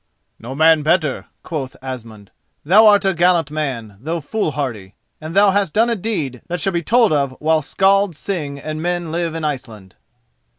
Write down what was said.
"No man better," quoth Asmund. "Thou art a gallant man, though foolhardy; and thou hast done a deed that shall be told of while skalds sing and men live in Iceland."